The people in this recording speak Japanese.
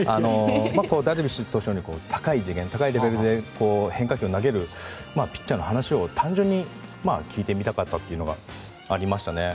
ダルビッシュ投手のように高い次元、高いレベルで変化球を投げるピッチャーの話を単純に聞いてみたかったというのはありましたね。